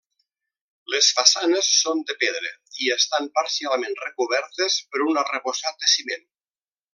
Les façanes són de pedra i estan parcialment recobertes per un arrebossat de ciment.